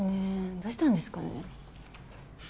どうしたんですかね？